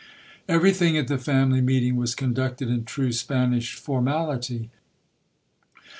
'Every thing at the family meeting was conducted in true Spanish formality.